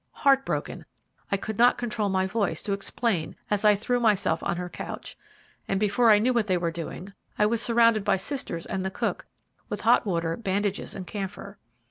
Heartbroken, I could not control my voice to explain as I threw myself on her couch, and before I knew what they were doing, I was surrounded by sisters and the cook with hot water, bandages and camphor.